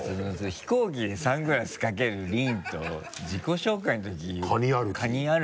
飛行機でサングラスかける凜と自己紹介のときカニ歩き。